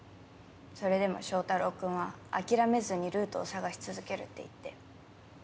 それでも正太郎君は諦めずにルートを探し続けるって言って。